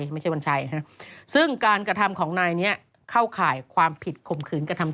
ที่รุ่นแม่น้ำอเมศรยักษ์มากตัวใหญ่มาก